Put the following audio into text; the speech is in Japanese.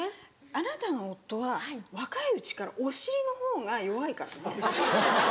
あなたの夫は若いうちからお尻の方が弱いからね。